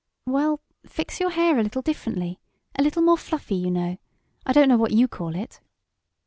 "Well, fix your hair a little differently a little more fluffy, you know I don't know what you call it."